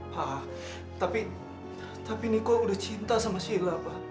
pak tapi tapi niko udah cinta sama sheila pak